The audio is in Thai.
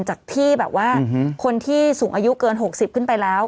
จากที่แบบว่าคนที่สูงอายุเกิน๖๐ขึ้นไปแล้ว